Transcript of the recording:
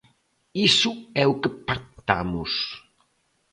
Iso é o que pactamos.